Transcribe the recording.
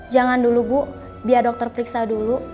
jangan dulu bu biar dokter periksa dulu